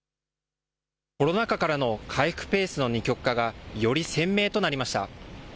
コロナ禍からの回復ペースの二極化がより鮮明となりました。